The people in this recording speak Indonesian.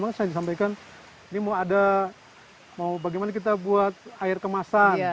makanya saya disampaikan ini mau ada mau bagaimana kita buat air kemasan